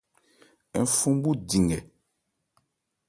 Ń fɔn bhú di nkɛ.